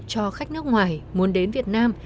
cho khách nước ngoài muốn đến việt nam